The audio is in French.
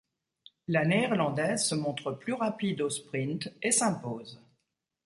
La Néerlandaise se montre plus rapide au sprint et s'impose.